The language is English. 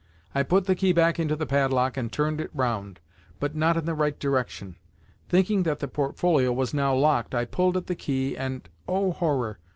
I put the key back into the padlock and turned it round, but not in the right direction. Thinking that the portfolio was now locked, I pulled at the key and, oh horror!